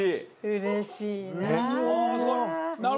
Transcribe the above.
うれしいな。